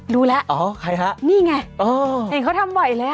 รู้แล้วนี่ไงเห็นเขาทำบ่อยเลย